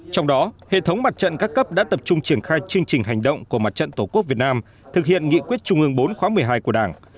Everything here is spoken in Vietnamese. trong đó hệ thống mặt trận các cấp đã tập trung triển khai chương trình hành động của mặt trận tổ quốc việt nam thực hiện nghị quyết trung ương bốn khóa một mươi hai của đảng